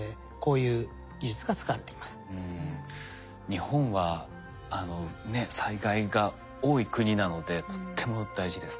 日本は災害が多い国なのでとっても大事ですね。